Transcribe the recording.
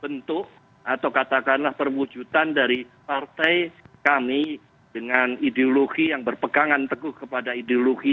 bentuk atau katakanlah perwujudan dari partai kami dengan ideologi yang berpegangan teguh kepada ideologi